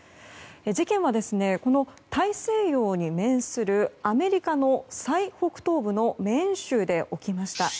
事件は大西洋に面するアメリカの最北東部のメーン州で起きました。